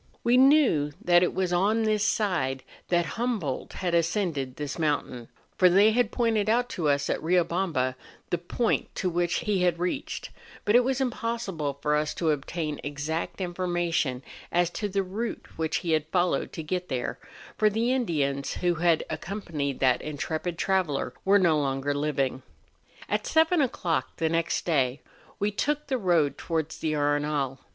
We knew that it was on this side that Hum¬ boldt had ascended this mountain; for they had pointed out to us at Riobamba the point to which he had reached ; but ^ was impossible for us to obtain exact information as to tlie route which he had followed to get there, for the Indians who had accompanied that intrepid traveller were no longer living. At seven o'clock the next day we took the road towards the Arenal.